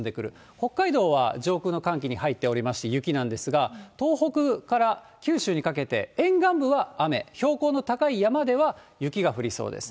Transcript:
北海道は上空の寒気に入っておりまして雪なんですが、東北から九州にかけて、沿岸部は雨、標高の高い山では雪が降りそうです。